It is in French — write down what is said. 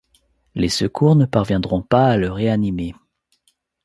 Les secours ne parviendront pas à le réanimer.